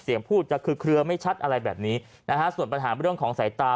พูดจะคือเคลือไม่ชัดอะไรแบบนี้นะฮะส่วนปัญหาเรื่องของสายตา